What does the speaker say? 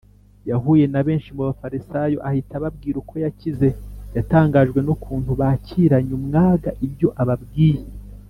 , yahuye na benshi mu Bafarisayo ahita ababwira uko yakize. Yatangajwe n’ukuntu bakiranye umwaga ibyo ababwiye.